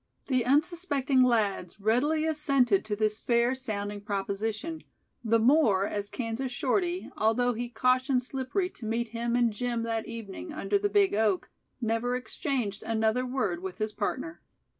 The unsuspecting lads readily assented to this fair sounding proposition, the more as Kansas Shorty, although he cautioned Slippery to meet him and Jim that evening under the "big oak", never exchanged another word with his partner.